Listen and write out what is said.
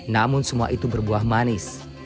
namun semua itu berbuah manis